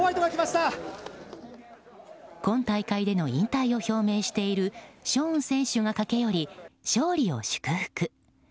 今大会での引退を表明しているショーン選手が駆け寄り勝利を祝福。